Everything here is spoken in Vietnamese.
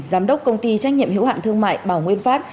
giám đốc công ty trách nhiệm hiệu hạn thương mại bảo nguyên pháp